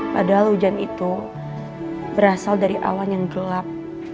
padahal hujan itu berasal dari awan yang gelap